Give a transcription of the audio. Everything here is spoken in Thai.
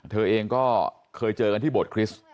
เธอเองก็เคยเจอกันที่บทคริสต์